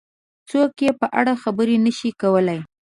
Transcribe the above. څوک یې په اړه خبرې نه شي کولای.